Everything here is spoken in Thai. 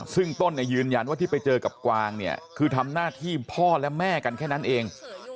ซึ่งต้นเนี่ยยืนยันว่าที่ไปเจอกับกวางเนี่ยคือทำหน้าที่พ่อและแม่กันแค่นั้นเอง